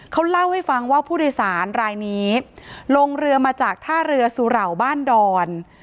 เขาเล่าให้ฟังว่าผู้โดยสารรายนี้ลงเรือมาจากท่าเรือสุเหล่าบ้านดอน